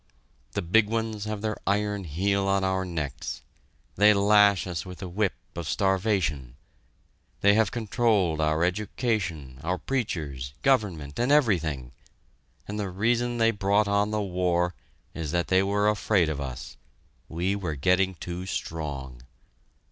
The big ones have their iron heel on our necks. They lash us with the whip of starvation. They have controlled our education, our preachers, government, and everything, and the reason they brought on the war is that they were afraid of us we were getting too strong.